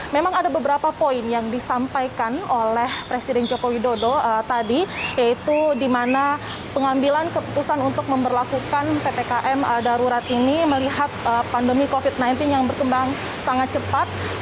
memang ada beberapa poin yang disampaikan oleh presiden joko widodo tadi yaitu di mana pengambilan keputusan untuk memperlakukan ppkm darurat ini melihat pandemi covid sembilan belas yang berkembang sangat cepat